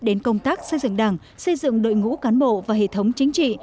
đến công tác xây dựng đảng xây dựng đội ngũ cán bộ và hệ thống chính trị